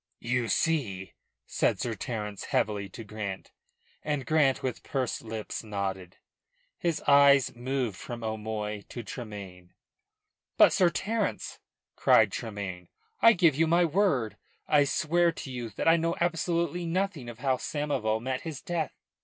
"You see?" said Sir Terence heavily to Grant, and Grant, with pursed lips, nodded, his eyes moving from O'Moy to Tremayne. "But, Sir Terence," cried Tremayne, "I give you my word I swear to you that I know absolutely nothing of how Samoval met his death."